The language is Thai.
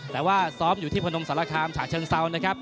แต่ว่าซ้อมอยู่ที่พนมสารคามฉะเชิงเซานะครับ